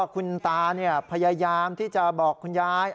คุณตาพยายามที่จะบอกคุณยาย